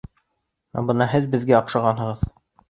Ә бына һеҙ беҙгә оҡшанығыҙ!